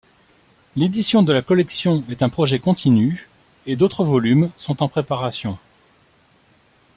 L’édition de la collection est un projet continu, et d’autre volumes sont en préparation.